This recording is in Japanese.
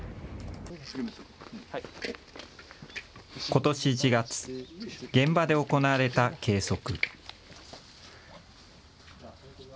ことし１月、現場で行われた計測。